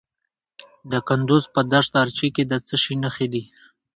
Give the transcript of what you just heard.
د کندز په دشت ارچي کې د څه شي نښې دي؟